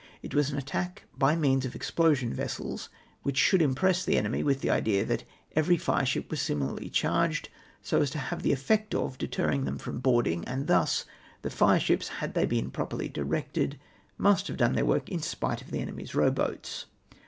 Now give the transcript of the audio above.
It was an attack by means of explosion vessels, which should impress the enemy with tlie idea that every fire ship was similarly charged, so as to have the efiect of deterring them from boarding, and tlius, the fireships, had they been properly directed, must have done their work in spite of the enemy's row boats.